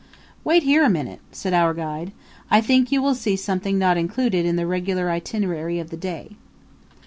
"Wait here a minute," said our guide. "I think you will see something not included in the regular itinerary of the day."